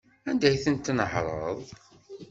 Anda ay tent-tnehṛeḍ?